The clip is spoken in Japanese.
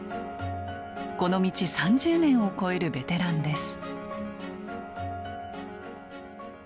この道３０年を超えるベテランです。